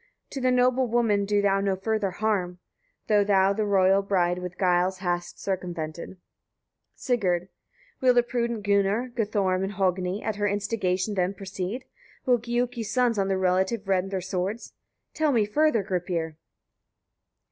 To the noble woman do thou no further harm, though thou the royal bride with guiles hast circumvented. Sigurd. 50. Will the prudent Gunnar, Guthorm, and Hogni, at her instigation, then proceed? Will Giuki's sons on their relative redden their swords? Tell me further, Gripir!